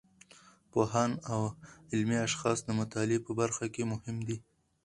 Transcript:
پوهان او علمي اشخاص د مطالعې په برخه کې مهم دي.